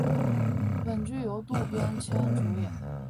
本剧由渡边谦主演。